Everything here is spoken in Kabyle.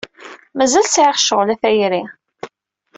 Mazal sɛiɣ ccɣel, a tayri.